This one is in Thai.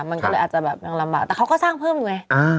มันก็เลยอาจจะแบบนางลำบากแต่เขาก็สร้างเพิ่มอยู่ไง